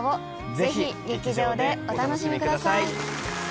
ぜひ劇場でお楽しみください。